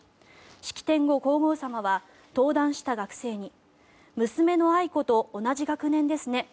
式典後、皇后さまは登壇した学生に娘の愛子と同じ学年ですね